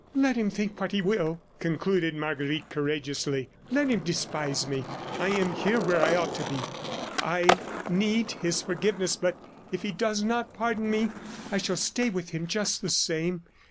"Let him think what he will!" concluded Marguerite courageously. "Let him despise me! I am here where I ought to be. I need his forgiveness, but if he does not pardon me, I shall stay with him just the same.